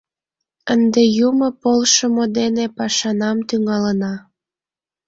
Ынде юмо полшымо дене пашанам тӱҥалына.